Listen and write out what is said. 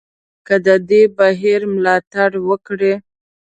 که د دې بهیر ملاتړ وکړي.